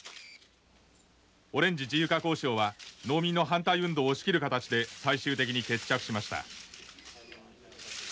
「オレンジ自由化交渉は農民の反対運動を押し切る形で最終的に決着しました」。